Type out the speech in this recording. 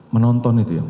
menonton itu ya